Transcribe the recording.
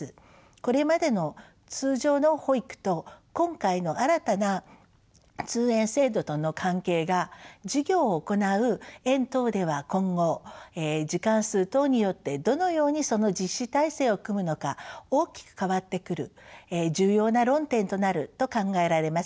これまでの通常の保育と今回の新たな通園制度との関係が事業を行う園等では今後時間数等によってどのようにその実施体制を組むのか大きく変わってくる重要な論点となると考えられます。